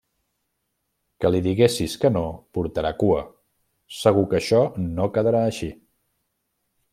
Que li diguessis que no, portarà cua. Segur que això no quedarà així.